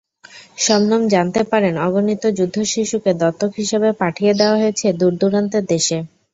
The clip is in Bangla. শবনম জানতে পারেন, অগণিত যুদ্ধশিশুকে দত্তক হিসেবে পাঠিয়ে দেওয়া হয়েছে দূরদূরান্তের দেশে।